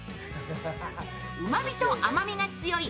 うまみと甘みが強い